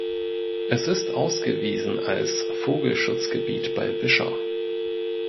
Es ist ausgewiesen als "Vogelschutzgebiet bei Wischer".